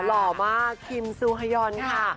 หรอมากคิมซุฮยอนค่ะ